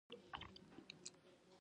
کلیوالو سیمو پانګوالو ته هم حق ورکړل شو.